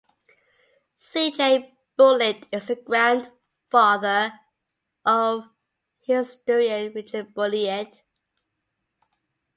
C. J. Bulliet is the grandfather of historian Richard Bulliet.